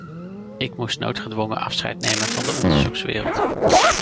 Ik moest noodgedwongen afscheid nemen van de onderzoekswereld.